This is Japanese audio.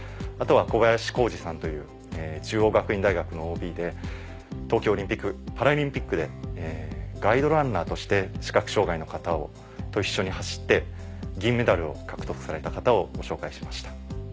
あとは小林光二さんという中央学院大学のＯＢで東京オリンピックパラリンピックでガイドランナーとして視覚障がいの方と一緒に走って銀メダルを獲得された方をご紹介しました。